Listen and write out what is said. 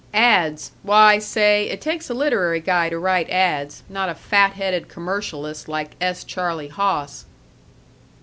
Ads., why say, it takes a literary guy to write ads., not a fat headed commercialist like S. Charlie Hoss."